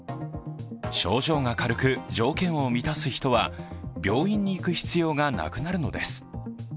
症状が軽く条件を満たす人は、病院に行く必要がなくなるのです。